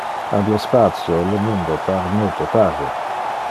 Ab le spatio, le mundo pare multo parve.